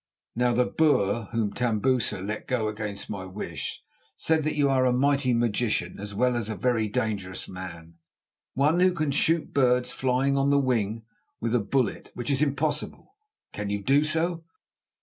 Now the Boer whom Tambusa let go against my wish said that you are a mighty magician as well as a very dangerous man, one who can shoot birds flying on the wing with a bullet, which is impossible. Can you do so?"